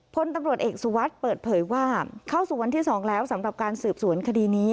พลตำรวจเอกสุวัสดิ์เปิดเผยว่าเข้าสู่วันที่๒แล้วสำหรับการสืบสวนคดีนี้